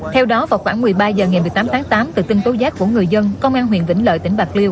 theo đó vào khoảng một mươi ba h ngày một mươi tám tháng tám từ tin tố giác của người dân công an huyện vĩnh lợi tỉnh bạc liêu